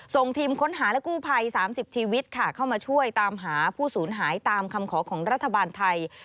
ส่งทีมค้นหาและกู้ภัย๓๐ชีวิตค่ะเข้ามาช่วยตามหาผู้สูญหายตามคำขอของรัฐบาลไทย